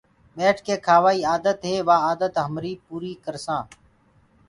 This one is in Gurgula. ٻيٺ ڪي کآوائي آدتي وآ آدت همريٚ پوريٚ ڪرسآنٚ۔